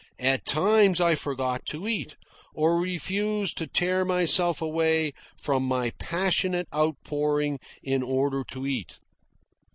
At times I forgot to eat, or refused to tear myself away from my passionate outpouring in order to eat.